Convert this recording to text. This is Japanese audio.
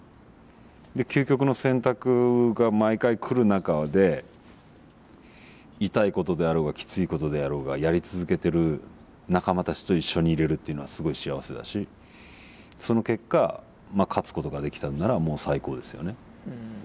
究極の選択が毎回来る中で痛いことであろうがきついことであろうがやり続けてる仲間たちと一緒にいれるっていうのはすごい幸せだしその結果勝つことができたのならもう最高ですよね。